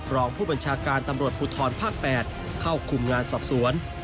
รองผู้บัญชาการตำรวจภูทรภาค๘เข้าคุมงานสอบสวน